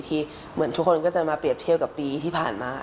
ทุกคน้นจะมาเปรียบเที่ยวกับปีที่ผ่านมา